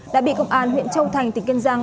đã bị công an huyện châu thành tỉnh kiên giang